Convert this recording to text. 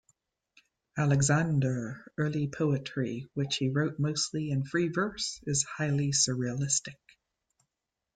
Aleixandre's early poetry, which he wrote mostly in free verse, is highly surrealistic.